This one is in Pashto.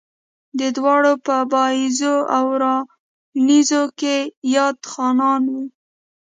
دا دواړه پۀ بائيزو او راڼېزو کښې ياد خانان وو